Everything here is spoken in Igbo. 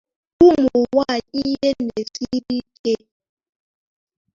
ụmụnwaanyị ihe na-esiri ike